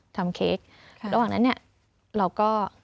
เค้กระหว่างนั้นเนี่ยเราก็